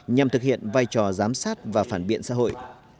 nhằm thực hiện vai trò giám sát và phản biện xã hội